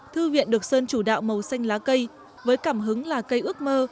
thư viện được sơn chủ đạo màu xanh lá cây với cảm hứng là cây ước mơ